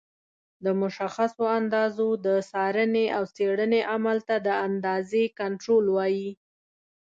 د مشخصو اندازو د څارنې او څېړنې عمل ته د اندازې کنټرول وایي.